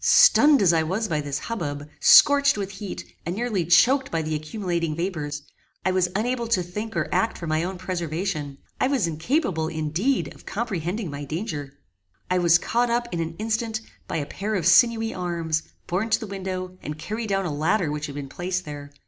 Stunned as I was by this hubbub, scorched with heat, and nearly choaked by the accumulating vapours, I was unable to think or act for my own preservation; I was incapable, indeed, of comprehending my danger. I was caught up, in an instant, by a pair of sinewy arms, borne to the window, and carried down a ladder which had been placed there.